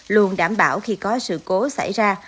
luôn đảm bảo khi có sự cố xảy ra